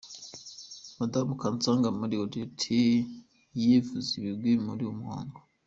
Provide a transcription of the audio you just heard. Madamu Kansanga Marie Odetta yivuze ibigwi muri uwo muhango.